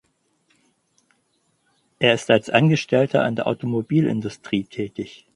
Er ist als Angestellter in der Automobilindustrie tätig.